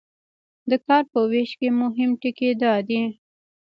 د کار په ویش کې مهم ټکي دا دي.